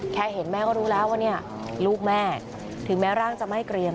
เห็นแม่ก็รู้แล้วว่าเนี่ยลูกแม่ถึงแม้ร่างจะไม่เกรียม